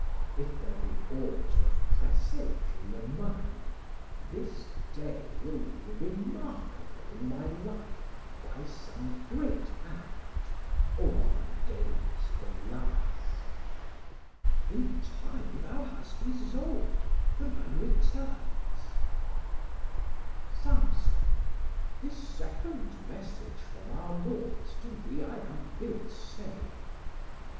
If there be aught of presage in the mind, This day will be remarkable in my life By some great act, or of my days the last. Chor: In time thou hast resolv'd, the man returns. 1390 Off: Samson, this second message from our Lords To thee I am bid say.